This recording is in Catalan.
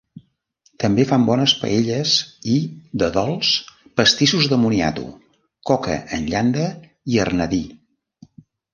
També fan bones paelles i, de dolç, pastissos de moniato, coca en llanda i arnadí.